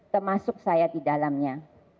termasuk saya di dalamnya